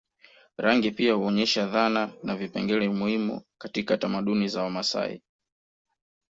Rangi pia huonyesha dhana na vipengele muhimu katika tamaduni za Wamasai